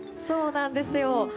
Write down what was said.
そうなんですよ。